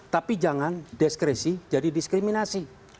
tapi jangan diskresi jadi diskriminasi